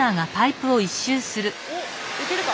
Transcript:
おっいけるか。